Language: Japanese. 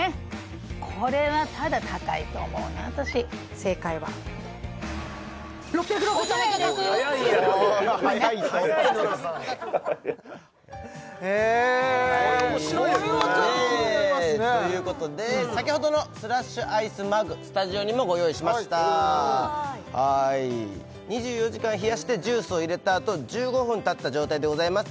正解はへえこれはちょっと気になりますねということで先ほどのスラッシュアイスマグスタジオにもご用意しましたわい２４時間冷やしてジュースを入れたあと１５分たった状態でございます